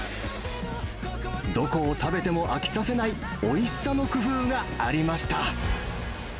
どこを食べても飽きさせない、おいしさの工夫がありました。